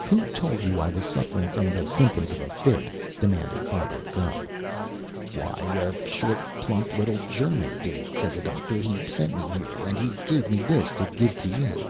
"Who told you I was suffering from the symptom of a fit?" demanded Philo Gubb. "Why, a short, plump little German did," said the doctor. "He sent me here. And he gave me this to give to you."